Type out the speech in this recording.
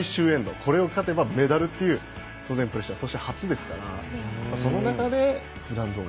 これを勝てばメダルというプレッシャーそして初ですからその中で、ふだんどおり。